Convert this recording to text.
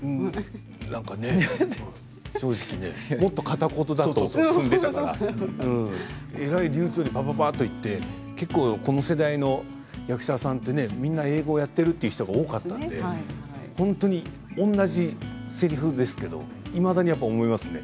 なんかね正直、もっと片言だと踏んでいたからえらい流ちょうにばばばっと言ってこの世代の役者さんってみんな英語をやっているという人、多かったから本当に同じせりふですけれどもいまだに思いますね。